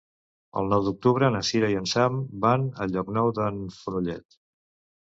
El nou d'octubre na Cira i en Sam van a Llocnou d'en Fenollet.